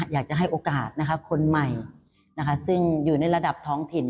อยากจะให้โอกาสคนใหม่ซึ่งอยู่ในระดับท้องถิ่น